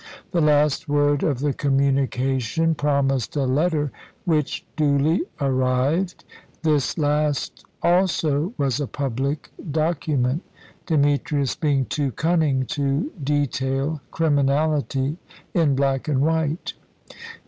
The last word of the communication promised a letter, which duly arrived. This last also was a public document, Demetrius being too cunning to detail criminality in black and white.